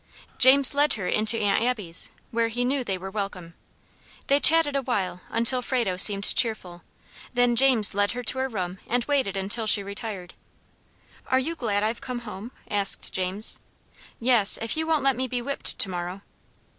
James led her into Aunt Abby's, where he knew they were welcome. They chatted awhile until Frado seemed cheerful; then James led her to her room, and waited until she retired. "Are you glad I've come home?" asked James. "Yes; if you won't let me be whipped tomorrow."